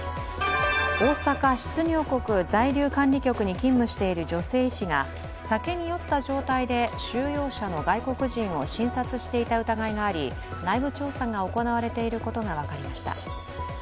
大阪出入国在留管理局に勤務している女性医師が酒に酔った状態で収容者の外国人を診察していた疑いがあり内部調査が行われていることが分かりました。